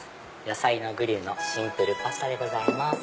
野菜のグリルのシンプルパスタでございます。